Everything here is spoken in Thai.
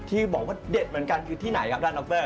ที่บอกว่าเด็ดเหมือนกันคือที่ไหนครับด้านดร